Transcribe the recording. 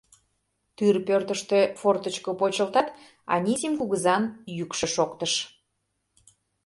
Тӱр пӧртыштӧ фортычко почылтат, Анисим кугызан йӱкшӧ шоктыш: